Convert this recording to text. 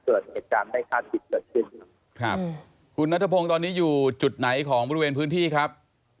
เกิดเหตุการณ์ไม่คาดคิดเกิดขึ้นครับคุณนัทพงศ์ตอนนี้อยู่จุดไหนของบริเวณพื้นที่ครับ